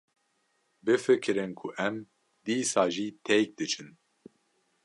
Bifikirin ku em dîsa jî têk diçin.